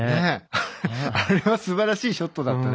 あれはすばらしいショットだったね。